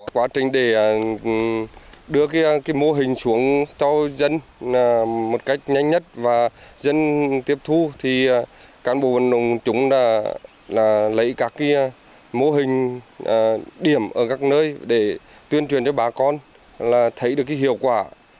quá trình để đưa cái mô hình xuống cho dân một cách nhanh nhất và dân tiếp thu thì cán bộ vận động chúng là lấy các cái mô hình điểm ở các nơi để tuyên truyền cho bà con là thấy được cái hiệu quả